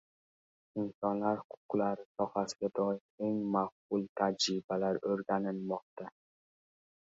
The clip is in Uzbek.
Inson huquqlari sohasiga doir eng maqbul tajribalar o‘rganilmoqda